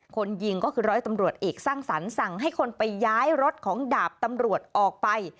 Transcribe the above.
คนยิงก็คือร้อยตำรวจเอกสร้างสรรค์สั่งให้คนไปย้ายรถของดาบตำรวจออกไป